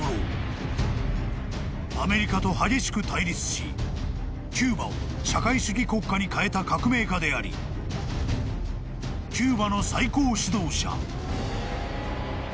［アメリカと激しく対立しキューバを社会主義国家に変えた革命家でありキューバの最高指導者］